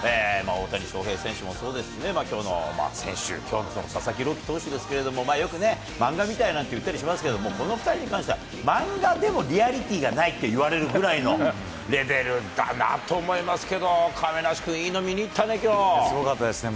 大谷翔平選手もそうですしね、きょうの選手、きょうの佐々木朗希投手ですけど、よくね、漫画みたいっていいますけれども、この２人に関しては、漫画でもリアリティーがないって言われるぐらいのレベルだなと思いますけれども、亀梨君、すごかったですね。